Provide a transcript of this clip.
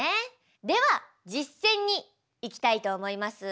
では実践にいきたいと思います。